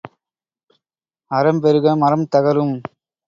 அறம் பெருக மறம் தகரும்.